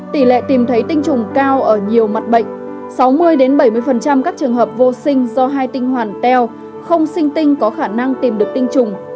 tỷ lệ tìm thấy tinh trùng cao ở nhiều mặt bệnh sáu mươi bảy mươi các trường hợp vô sinh do hai tinh hoàn teo không sinh tinh có khả năng tìm được tinh trùng